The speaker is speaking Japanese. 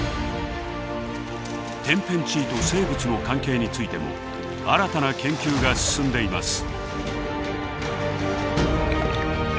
天変地異と生物の関係についても新たな研究が進んでいます。